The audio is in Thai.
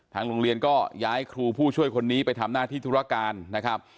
โรงเรียนก็ย้ายครูผู้ช่วยคนนี้ไปทำหน้าที่ธุรการนะครับ